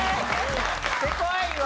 せこいわ！